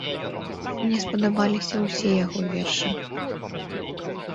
Мне спадабаліся ўсе яго вершы.